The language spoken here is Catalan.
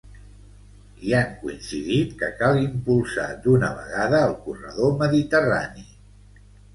I han coincidit que cal impulsar d’una vegada el corredor mediterrani.